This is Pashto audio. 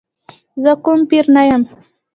زه کوم پیر نه یم.